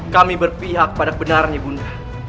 kami berpihak pada kebenarannya bunda